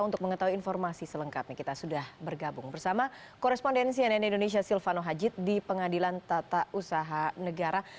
untuk mengetahui informasi selengkapnya kita sudah bergabung bersama korespondensi nn indonesia silvano hajid di pengadilan tata usaha negara